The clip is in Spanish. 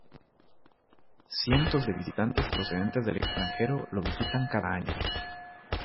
Cientos de visitantes procedentes del extranjero lo visitan cada año.